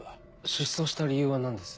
失踪した理由は何です？